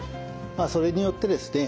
まあそれによってですね